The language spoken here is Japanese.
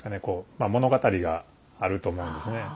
こうまあ物語があると思うんですね。